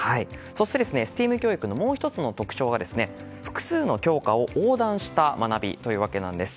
そして、ＳＴＥＡＭ教育のもう１つの特徴は複数の教科を横断した学びというわけなんです。